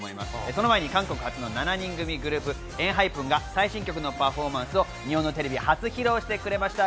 その前に韓国初の７人組グループＥＮＨＹＰＥＮが最新曲のパフォーマンスを日本のテレビで初披露してくれました。